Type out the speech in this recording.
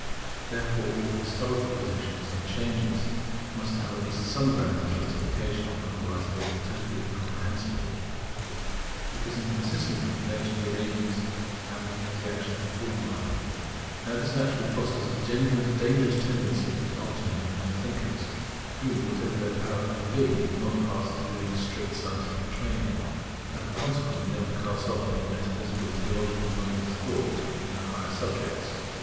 Therefore all historical positions and changes must have at least some grounds of justification; otherwise they would be totally incomprehensible, because inconsistent with the nature of the agents and of the actions performed by them. Now this naturally fosters a dangerous tendency to Optimism in all thinkers, who, whatever their powers may be, have not passed through any strict scientific training, and have consequently never cast off metaphysical and theological modes of thought in the higher subjects.